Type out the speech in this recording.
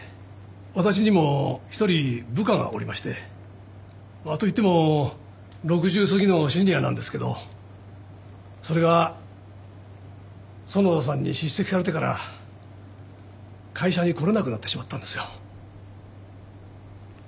私にも１人部下がおりましてまあといっても６０すぎのシニアなんですけどそれが園田さんに叱責されてから会社に来れなくなってしまったんですよ。